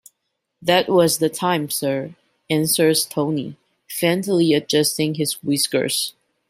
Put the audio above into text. "That was the time, sir," answers Tony, faintly adjusting his whiskers.